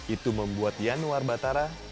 itu membuat yanuar batara